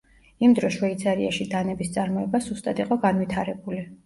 იმ დროს შვეიცარიაში დანების წარმოება სუსტად იყო განვითარებული.